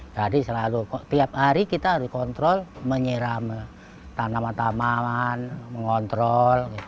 jadi selalu tiap hari kita harus kontrol menyeram tanaman tanaman mengontrol